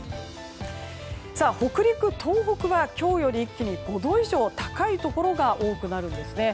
北陸、東北は今日より一気に５度以上高いところが多くなるんですね。